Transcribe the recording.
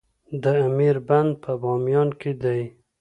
د امیر بند په بامیان کې دی